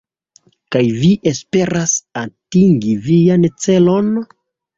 Kaj vi esperas atingi vian celon?